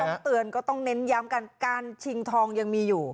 ต้องเตือนก็ต้องเน้นย้ำกันการชิงทองยังมีอยู่